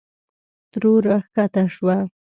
ترور راکښته شوه.